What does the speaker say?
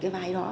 cái vai đó